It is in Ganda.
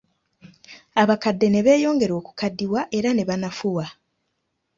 Abakadde ne beyongera okukaddiwa era ne banafuwa.